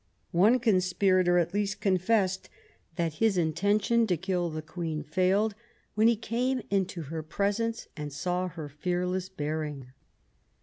One conspirator, at least, confessed that his intention to kill the Queen failed when he came into her presence and saw her fearless bearing.